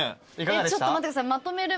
ちょっと待ってくださいまとめる